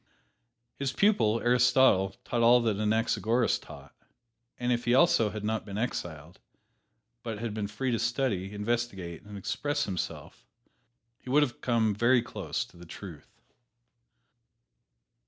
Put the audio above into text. His pupil, Aristotle, taught all that Anaxagoras taught, and if he also had not been exiled, but had been free to study, investigate and express himself, he would have come very close to the truth.